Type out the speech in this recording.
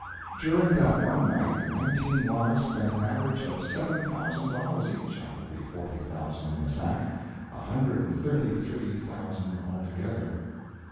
During that one night the nineteen wives spent an average of seven thousand dollars each out of the forty thousand in the sack a hundred and thirty three thousand altogether.